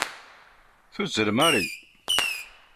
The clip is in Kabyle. Tuzzel Mary.